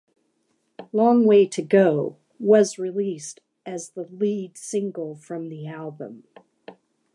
"Long Way to Go" was released as the lead single from the album.